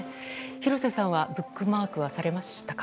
廣瀬さんはブックマークはされましたか？